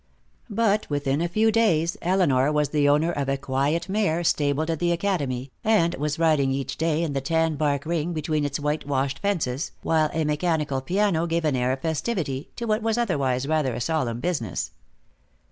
But within a few days Elinor was the owner of a quiet mare, stabled at the academy, and was riding each day in the tan bark ring between its white washed fences, while a mechanical piano gave an air of festivity to what was otherwise rather a solemn business.